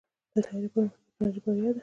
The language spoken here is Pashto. د طیارې پرمختګ د ټیکنالوژۍ بریا ده.